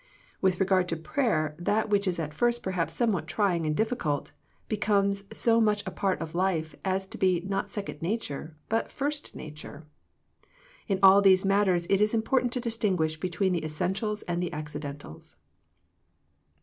With regard to prayer that which is at first perhaps somewhat trying and difficult, be comes so much a part of the life as to be not second nature, but first nature. In all these mat ters it is important to distinguish between the es sentials and the accidentals.